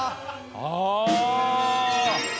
ああ！